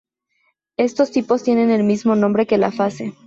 Estos tipos tienen el mismo nombre que la fase.